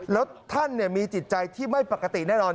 แล้วท่านมีจิตใจที่ไม่ปกติแน่นอน